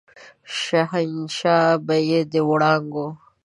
شهنشاه به يې د وړانګو